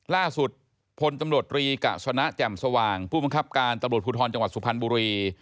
ล่าสุดพลตำรวจรีกะสนะแจ่มสว่างผู้บังคับการตำรวจภูทรจังหวัดสุพรรณบุรี